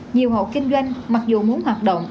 nhiều hộp kinh doanh mặc dù muốn hoạt động